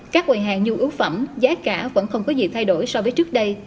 các quầy hàng nhu yếu phẩm giá cả vẫn không có gì thay đổi so với trước đây